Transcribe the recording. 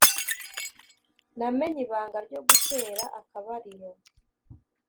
namenye ibanga ryo gutera akabariro